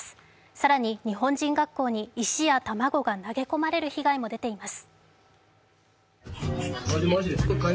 更に日本人学校に石や卵が投げ込まれる被害も出ています。